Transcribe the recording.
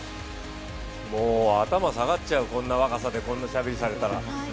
もう頭下がっちゃう、こんな若さでこんなしゃべりされたら。